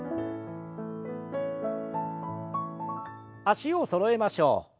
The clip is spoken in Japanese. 脚をそろえましょう。